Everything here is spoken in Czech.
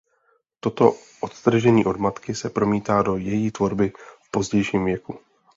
Toto odtržení od matky se promítá do její tvorby v pozdějším věku.